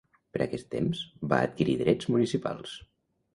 Per aquest temps va adquirir drets municipals.